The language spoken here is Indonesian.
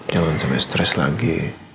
jangan sampai stres lagi